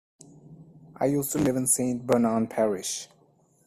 I used to live in Saint Bernard Parish.